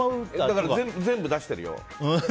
だから全部出してるよ。